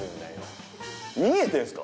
見えてるんですか？